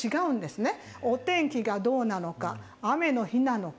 お天気がどうなのか雨の日なのか